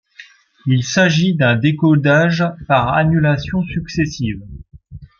Il s'agit d'un décodage par annulations successives.